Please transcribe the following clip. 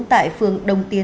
tại phường đồng tiên